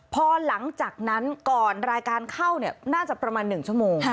พอหลังจากนั้นก่อนรายการเข้าน่าจะประมาณ๑ชั่วโมง